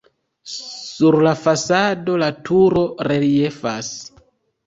Sur la fasado la turo reliefas.